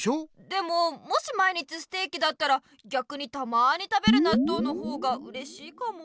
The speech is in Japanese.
でももし毎日ステーキだったらぎゃくにたまに食べるなっとうの方がうれしいかも。